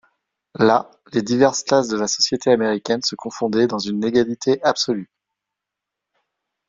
Là, les diverses classes de la société américaine se confondaient dans une égalité absolue.